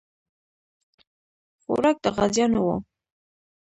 خوراک د غازیانو وو.